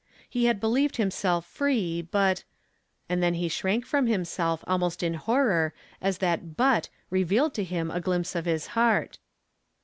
He had believed himself free, but — And then he shrank from him self almost in horror as that ' but " revealed to him a glimpse of his heart.